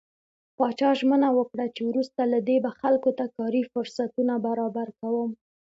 پاچا ژمنه وکړه چې وروسته له دې به خلکو ته کاري فرصتونه برابر کوم .